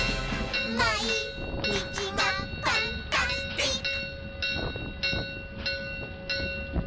「まいにちがパンタスティック！」